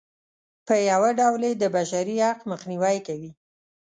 په یوه ډول یې د بشري حق مخنیوی کوي.